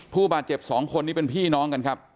ผู้บาดเจ็บ๒คนนี้เป็นพี่น้องกันครับ